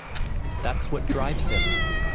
That's what drives him.